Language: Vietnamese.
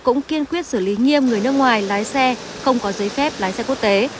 cũng kiên quyết xử lý nghiêm người nước ngoài lái xe không có giấy phép lái xe quốc tế